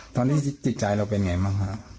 ตอนที่ติดใจเราเป็นยังไงบ้างครับ